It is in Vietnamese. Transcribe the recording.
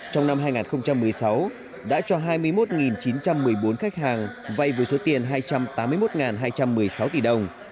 trong năm hai nghìn một mươi sáu đã cho hai mươi một chín trăm một mươi bốn khách hàng vay với số tiền hai trăm tám mươi một hai trăm một mươi sáu tỷ đồng